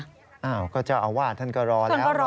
อ้าวก็เจ้าอาวาสท่านก็รอแล้วรอ